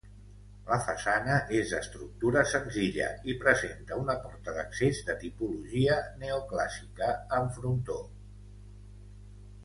La façana és d'estructura senzilla i presenta un porta d'accés de tipologia neoclàssica, amb frontó.